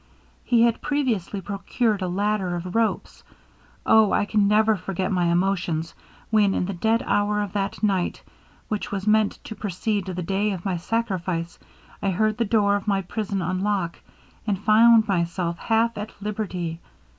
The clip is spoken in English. He had previously procured a ladder of ropes. O! I can never forget my emotions, when in the dead hour of that night, which was meant to precede the day of my sacrifice, I heard the door of my prison unlock, and found myself half at liberty!